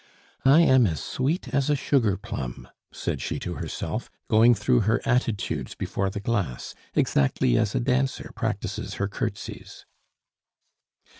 "I am as sweet as a sugar plum," said she to herself, going through her attitudes before the glass, exactly as a dancer practises her curtesies.